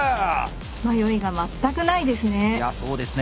迷いが全くないですね！